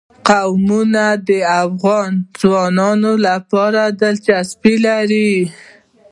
قومونه د افغان ځوانانو لپاره دلچسپي لري.